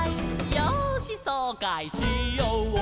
「よーしそうかいしようかい」